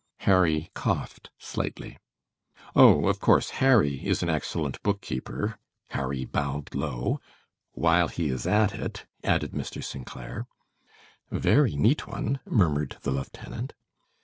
Harry coughed slightly. "Oh, of course, Harry is an excellent book keeper," Harry bowed low; "while he is at it," added Mr. St. Clair. "Very neat one," murmured the lieutenant.